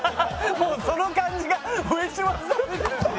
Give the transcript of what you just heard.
もうその感じが上島さんみたい。